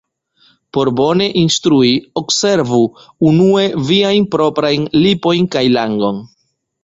Por bone instrui, observu unue viajn proprajn lipojn kaj langon.